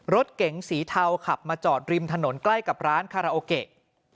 รถเก๋งสีเทาขับมาจอดริมถนนใกล้กับร้านคาราโอเกะ